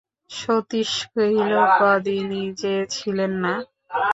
সতীশ কহিল, কদিনই যে ছিলেন না।